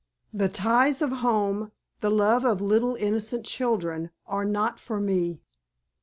The ties of home, the love of little, innocent children are not for me.